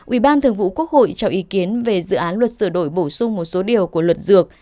ủy ban thường vụ quốc hội cho ý kiến về dự án luật sửa đổi bổ sung một số điều của luật dược